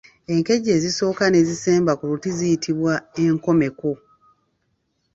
Enkejje ezisooka n'ezisemba ku luti ziyitbwa enkomeko.